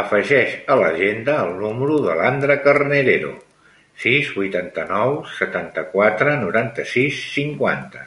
Afegeix a l'agenda el número de l'Andra Carnerero: sis, vuitanta-nou, setanta-quatre, noranta-sis, cinquanta.